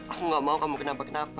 aku gak mau kamu kenapa